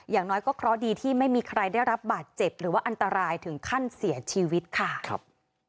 อย่างน้อยก็เคราะห์ดีที่ไม่มีใครได้รับบาดเจ็บหรือว่าอันตรายถึงขั้นเสียชีวิตค่ะครับ